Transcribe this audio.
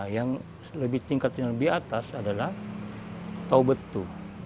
yang tingkatnya lebih atas adalah tau betu